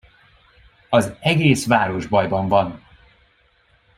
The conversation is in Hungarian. Az egész város bajban van!